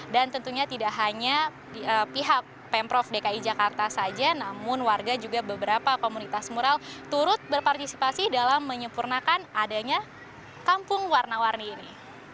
dan tentunya tidak hanya pihak pemprov dki jakarta saja namun warga juga beberapa komunitas mural turut berpartisipasi dalam menyempurnakan adanya kampung warna warni ini